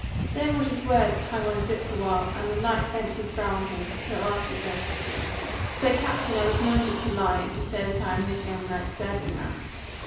Then Roger's words hung on his lips awhile, and the knight bent his brow on him, till at last he said, "Sir Captain, I was minded to lie, and say that I am this young knight's serving man."